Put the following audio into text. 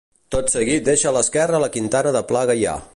Tot seguit deixa a l'esquerra la Quintana de Pla Gaià.